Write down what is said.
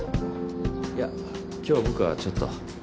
いや今日僕はちょっと。